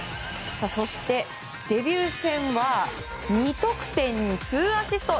そして、デビュー戦は２得点に２アシスト。